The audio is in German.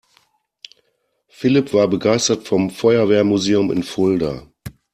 Philipp war begeistert vom Feuerwehrmuseum in Fulda.